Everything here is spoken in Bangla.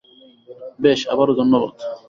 বেশ, আবারো ধন্যবাদ।